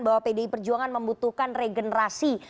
bahwa pdi perjuangan membutuhkan regenerasi